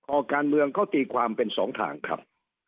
การเมืองเขาตีความเป็นสองทางครับ